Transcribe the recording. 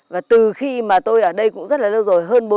và từ khi mà tôi ở đây cũng rất là lâu rồi hơn